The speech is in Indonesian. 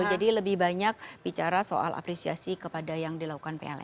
jadi lebih banyak bicara soal apresiasi kepada yang dilakukan pln